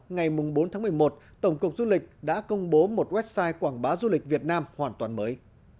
ngày bốn một mươi một tổng cục du lịch đã công bố một website quảng bá du lịch việt nam hoàn toàn mới